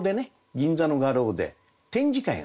銀座の画廊で展示会があって。